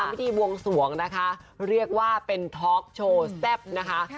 พิธีบวงสวงนะคะเรียกว่าเป็นท็อกโชว์แซ่บนะคะ